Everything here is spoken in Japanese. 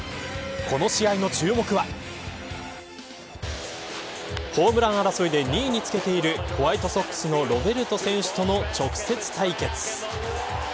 この試合の注目はホームラン争いで２位につけているホワイトソックスのロベルト選手との直接対決。